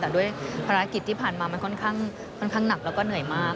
แต่ด้วยภารกิจที่ผ่านมามันค่อนข้างหนักแล้วก็เหนื่อยมาก